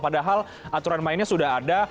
padahal aturan mainnya sudah ada